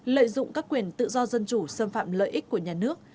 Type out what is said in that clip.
lợi dụng các quyền tự do dân chủ xâm phạm lợi ích của nhà nước